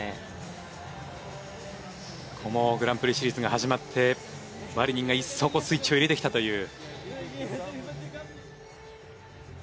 このグランプリシリーズが始まってマリニンが一層スイッチを入れてきたという。